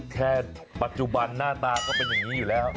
แค่ปัจจุบันหน้าตาก็เป็นอย่างนี้อยู่แล้ว